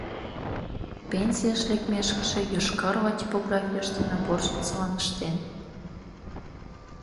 Пенсийыш лекмешкыже, Йошкар-Ола типографийыште наборщицылан ыштен.